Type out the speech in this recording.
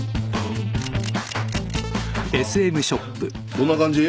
どんな感じ？